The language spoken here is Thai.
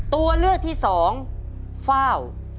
ตัวเลือกที่๒ฟ้าว